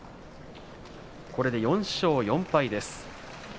これで４勝４敗です。